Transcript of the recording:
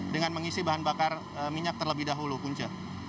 dengan mengisi bahan bakar minyak terlebih dahulu punca